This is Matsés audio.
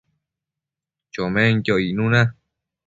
chomenquio icnuna